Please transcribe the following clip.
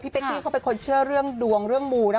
เป๊กกี้เขาเป็นคนเชื่อเรื่องดวงเรื่องมูนะ